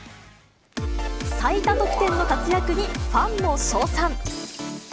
最多得点の活躍にファンも称賛。